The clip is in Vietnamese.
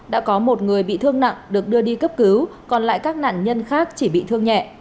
đã có một người bị thương nặng được đưa đi cấp cứu còn lại các nạn nhân khác chỉ bị thương nhẹ